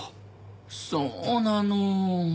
そうなの。